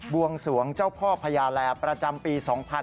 วงสวงเจ้าพ่อพญาแลประจำปี๒๕๕๙